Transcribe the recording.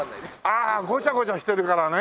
ああごちゃごちゃしてるからね。